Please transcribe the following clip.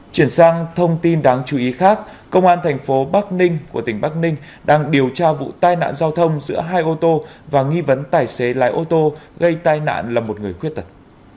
chuyển sang thông tin đáng chú ý khác công an thành phố bắc ninh của tỉnh bắc ninh đang điều tra vụ tai nạn giao thông giữa hai ô tô và nghi vấn tài xế lái ô tô gây tai nạn là một người khuyết tật